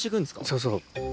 そうそう。